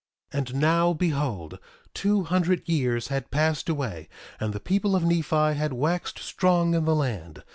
1:5 And now, behold, two hundred years had passed away, and the people of Nephi had waxed strong in the land.